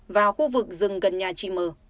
vào khu vực rừng gần nhà chị m